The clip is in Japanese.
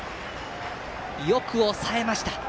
よく抑えました。